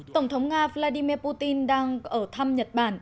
tổng thống nga vladimir putin đang ở thăm nhật bản